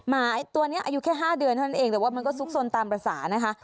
หมาตัวนี้อายุแค่๕เดือนเท่านั้นเองแต่ว่ามันก็ซุกซนตามภาษานะคะ